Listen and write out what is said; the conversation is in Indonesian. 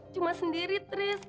cuma sendiri tris